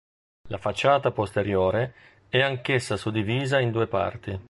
La facciata posteriore è anch'essa suddivisa in due parti.